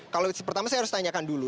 kalau pertama saya harus tanyakan dulu